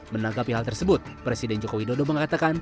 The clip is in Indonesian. menanggapi hal tersebut presiden jokowi dodo mengatakan